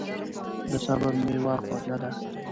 د صبر میوه خوږه ده.